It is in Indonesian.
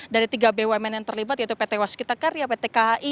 dari tiga bumn yang terlibat yaitu pt waskitakar pt kkm